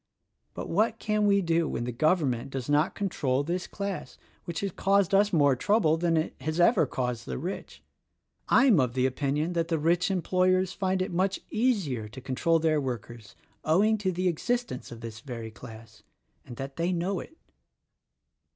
But what can we do when the Govern ment does not control this class which has caused us more trouble than it has ever caused the rich. I'm of the opinion that the rich employers find it much easier to control their workers owing to the existence of this very class, and that they know it."